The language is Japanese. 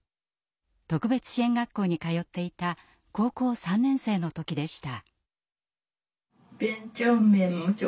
特別支援学校に通っていた高校３年生の時でした。